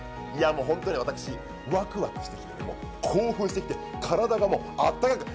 本当に私、ワクワクしてきて興奮してきて体がもうあったかく。